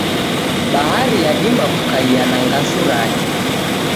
Bahari yadima kukaia na ngasu rake.